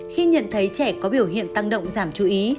khi nhận thấy trẻ có biểu hiện tăng động giảm chú ý